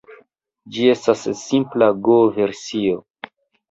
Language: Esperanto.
Ĝi estas simpla Go-versio.